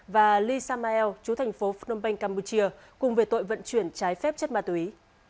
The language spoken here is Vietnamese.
và lee samuel chú thành phố phnom penh campuchia cùng về tội vận chuyển trái phép chất ma túy